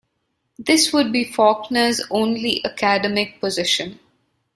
This would be Faulkner's only academic position.